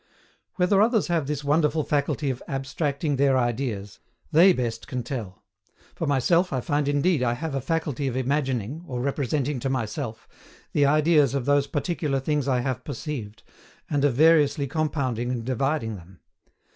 Whether others have this wonderful faculty of ABSTRACTING THEIR IDEAS, they best can tell: for myself, I find indeed I have a faculty of imagining, or representing to myself, the ideas of those particular things I have perceived, and of variously compounding and dividing them.